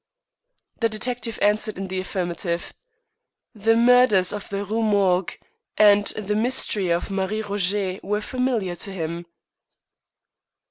The detective answered in the affirmative. "The Murders of the Rue Morgue" and "The Mystery of Marie Roget" were familiar to him.